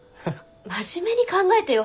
真面目に考えてよ。